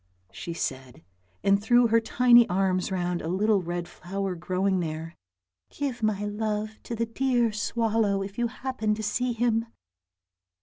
she said, and threw her tiny arms round a little red flower growing there. " Give my love to the dear swallow if you happen to see him."